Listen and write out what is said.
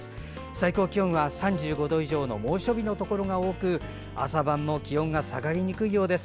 最高気温は３５度以上の猛暑日のところが多く朝晩も気温が下がりにくいようです。